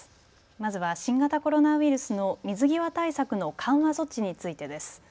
まずは新型コロナウイルスの水際対策の緩和措置についてです。